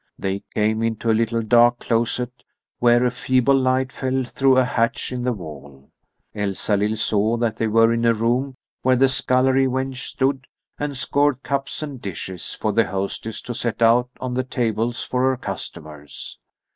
They came into a little dark closet where a feeble light fell through a hatch in the wall. Elsalill saw that they were in a room where the scullery wench stood and scoured cups and dishes for the hostess to set out on the tables for her customers.